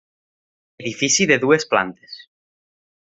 Edifici de dues plantes.